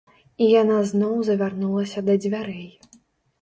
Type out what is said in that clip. І яна зноў завярнулася да дзвярэй.